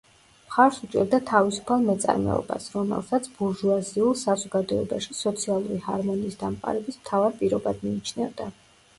მხარს უჭერდა „თავისუფალ მეწარმეობას“, რომელსაც ბურჟუაზიულ საზოგადოებაში სოციალური ჰარმონიის დამყარების მთავარ პირობად მიიჩნევდა.